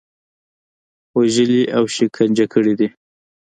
وژلي او شکنجه کړي دي.